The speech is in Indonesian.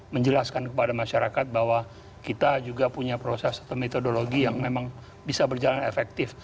menjelaskan kepada masyarakat bahwa kita juga punya proses atau metodologi yang memang bisa berjalan efektif